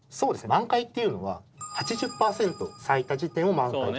「満開」っていうのは８０％咲いた時点を満開としてる。